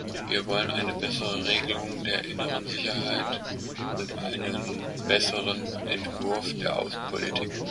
Wir wollen eine bessere Regelung der inneren Sicherheit und einen besseren Entwurf der Außenpolitik.